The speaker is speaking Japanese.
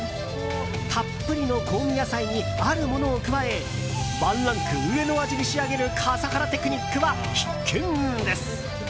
たっぷりの香味野菜にあるものを加えワンランク上の味に仕上げる笠原テクニックは必見です。